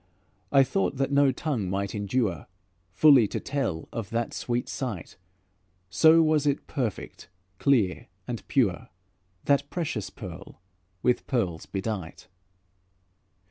I thought that no tongue might endure Fully to tell of that sweet sight, So was it perfect, clear and pure, That precious pearl with pearls bedight.